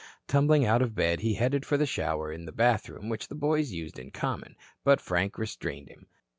Tumbling out of bed, he headed for the shower in the bathroom which the boys used in common, but Frank restrained him.